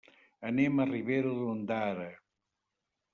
Anem a Ribera d'Ondara.